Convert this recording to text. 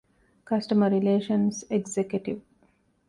ކަސްޓަމަރ ރިލޭޝަންސް އެގްޒެކެޓިވް